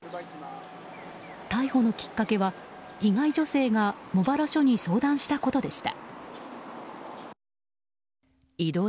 逮捕のきっかけは、被害女性が茂原署に相談したことでした。